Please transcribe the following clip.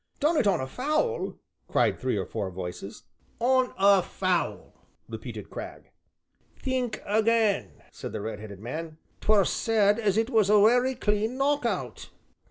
"Done it on a foul?" cried three or four voices. "On a foul!" repeated Cragg. "Think again," said the red headed man, "'t were said as it was a werry clean knock out."